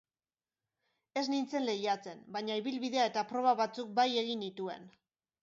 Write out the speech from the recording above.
Ez nintzen lehiatzen, baina ibilbidea eta proba batzuk bai egin nituen.